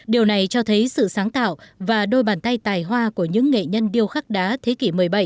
điều này cho thấy sự sáng tạo và đôi bàn tay tài hoa của những nghệ nhân điêu khắc đá thế kỷ một mươi bảy